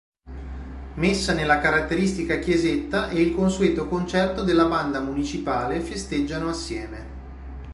Messa nella caratteristica chiesetta e il consueto concerto della Banda Municipale, festeggiano assieme.